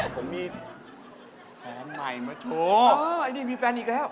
ผมมีแฟนใหม่มาโชว์ไอ้นี่มีแฟนอีกแล้ว